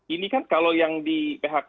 ini kan kalau yang di phk